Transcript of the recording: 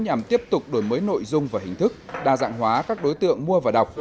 nhằm tiếp tục đổi mới nội dung và hình thức đa dạng hóa các đối tượng mua và đọc